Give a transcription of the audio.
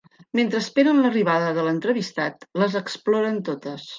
Mentre esperen l'arribada de l'entrevistat les exploren totes.